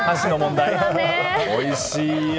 おいしいよ。